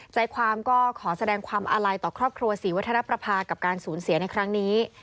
ใจความก็ขอแสดงความอาลัยต่อครอบครัวศรีวัฒนประภากับการสูญเสียในครั้งนี้